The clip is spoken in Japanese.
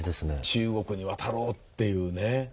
中国に渡ろうっていうね。